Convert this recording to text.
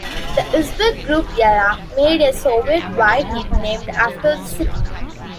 The Uzbek group Yalla made a Soviet-wide hit named after the city.